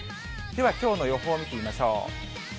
ではきょうの予報見てみましょう。